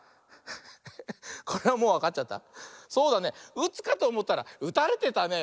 うつかとおもったらうたれてたね。